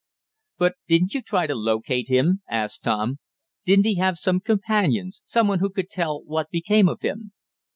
"But didn't you try to locate him?" asked Tom. "Didn't he have some companions some one who could tell what became of him?"